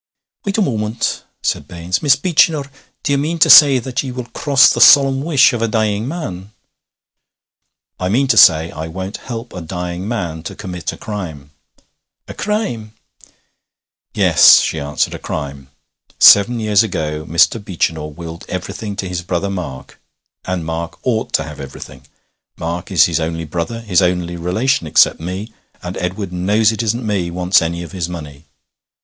'Wait a moment,' said Baines. 'Miss Beechinor, do ye mean to say that ye will cross the solemn wish of a dying man?' 'I mean to say I won't help a dying man to commit a crime.' 'A crime?' 'Yes,' she answered, 'a crime. Seven years ago Mr. Beechinor willed everything to his brother Mark, and Mark ought to have everything. Mark is his only brother his only relation except me. And Edward knows it isn't me wants any of his money.